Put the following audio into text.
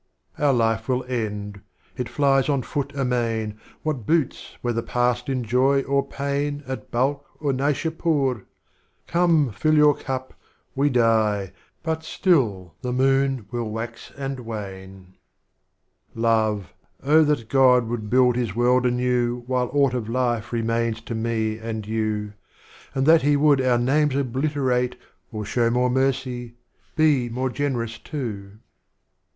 Our Life will end, it flies on foot amain. What boots whether passed in joy or pain At Balkh or Naishdpur? * Come, fill your cup, We die, — but still the Moon will wax and v;^ane. 10 Strophes of Omar Khayyam. Love! oh that God would build his World anew While Aught of Life remains to Me and You, And that He would our Names obliterate. Or show more Mercy, — be more Generous too.